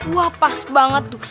wah pas banget tuh